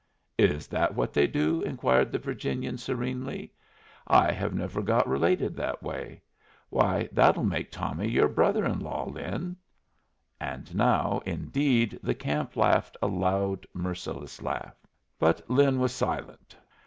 "Is that what they do?" inquired the Virginian, serenely. "I have never got related that way. Why, that'll make Tommy your brother in law, Lin!" And now, indeed, the camp laughed a loud, merciless laugh. But Lin was silent.